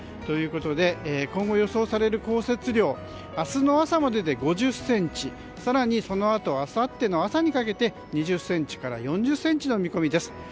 ということで今後予想される降雪量明日の朝までで５０ｃｍ更に、そのあとあさっての朝にかけて２０ｃｍから４０ｃｍの見込みです。